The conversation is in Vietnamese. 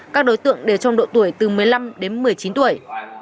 các đối tượng đều trong độ tuổi từ một mươi năm đến một mươi chín tuổi